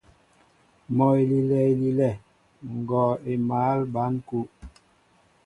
Mɔ elilɛ elilɛ, ngɔɔ émal ɓăn kúw.